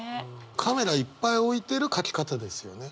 カメラいっぱい置いている書き方ですよね。